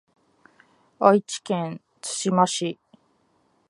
愛知県津島市